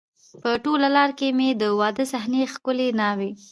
په ټوله لار کې مې د واده صحنې، ښکلې ناوې،